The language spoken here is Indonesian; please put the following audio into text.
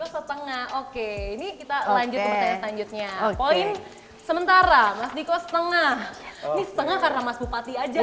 setengah oke ini kita lanjutnya poin sementara mas diko setengah setengah karena mas bupati aja